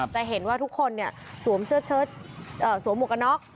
แต่เห็นว่าทุกคนเนี่ยสวมเสื้อเชิดสวมหมวกกะน็อก